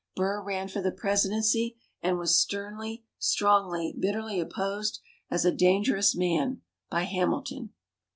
Burr ran for the Presidency, and was sternly, strongly, bitterly opposed as "a dangerous man" by Hamilton.